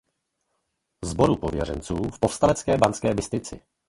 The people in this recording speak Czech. Sboru pověřenců v povstalecké Banské Bystrici.